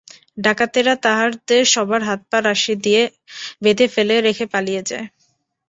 ডাকাতেরা তাঁদের সবার হাত-পা রশি দিয়ে বেঁধে ফেলে রেখে পালিয়ে যায়।